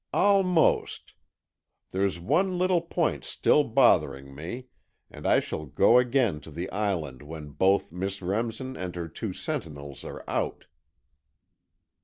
"Almost. There's one little point still bothering me, and I shall go again to the Island when both Miss Remsen and her two sentinels are out."